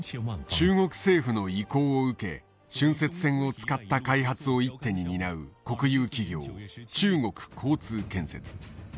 中国政府の意向を受け浚渫船を使った開発を一手に担う国有企業中国交通建設。